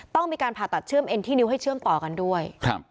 ต้องมีการผ่าตัดเชื่อมเอ็นที่นิ้วให้เชื่อมต่อกันด้วยครับ